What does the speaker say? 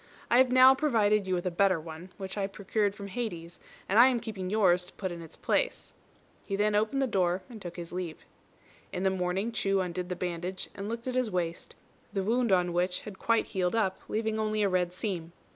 I have now provided you with a better one, which I procured from Hades, and I am keeping yours to put in its place." He then opened the door and took his leave. In the morning Chu undid the bandage, and looked at his waist, the wound on which had quite healed up, leaving only a red seam.